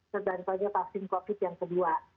sedangkan vaksin covid yang kedua